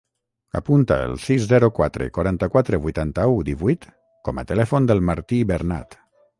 Apunta el sis, zero, quatre, quaranta-quatre, vuitanta-u, divuit com a telèfon del Martí Bernat.